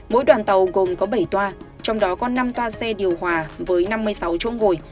mỗi đoàn tàu gồm có bảy toa trong đó có năm toa xe điều hòa với năm mươi sáu chỗ ngồi